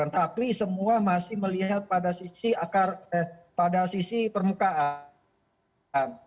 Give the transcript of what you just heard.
tapi semua masih melihat pada sisi permukaan